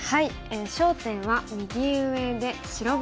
焦点は右上で白番ですね。